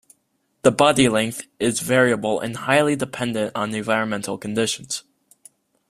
The body length is variable and highly dependent on environmental conditions.